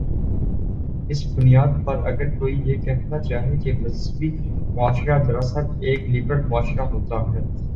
اس بنیاد پر اگر کوئی یہ کہنا چاہے کہ مذہبی معاشرہ دراصل ایک لبرل معاشرہ ہوتا ہے۔